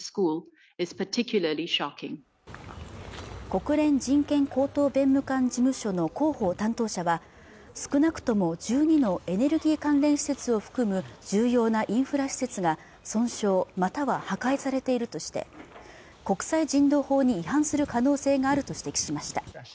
国連人権高等弁務官事務所の広報担当者は少なくとも１２のエネルギー関連施設を含む重要なインフラ施設が損傷または破壊されているとして国際人道法に違反する可能性があると指摘しました